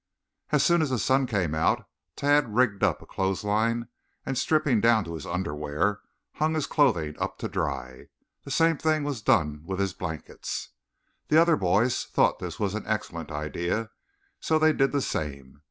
As soon as the sun came out Tad rigged up a clothes line and stripping down to his underwear hung his clothing up to dry. The same thing was done with his blankets. The other boys thought this was an excellent idea, so they did the same.